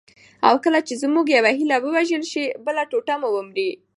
او کله چي زموږ یوه هیله ووژل سي، بله ټوټه مو ومري.